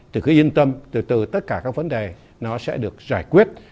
thì cứ yên tâm từ từ tất cả các vấn đề nó sẽ được giải quyết